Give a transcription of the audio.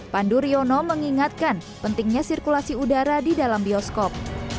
pandu riono mengingatkan pentingnya sirkulasi udara di dalam bioskop